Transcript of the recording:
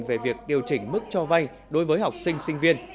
về việc điều chỉnh mức cho vay đối với học sinh sinh viên